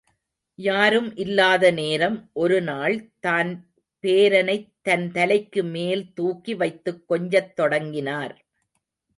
யாரும் இல்லாத நேரம், ஒரு நாள் தான் பேரனைத் தன் தலைக்கு மேல்தூக்கி வைத்துக் கொஞ்சத் தொடங்கினார்.